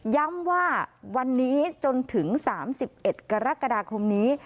ย้ำว่าวันนี้จนถึง๓๑กรกฎาคมนี้